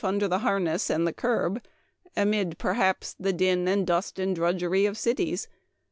under the harness and the curb, amid, perhaps, the din and dust and drudgery of cities.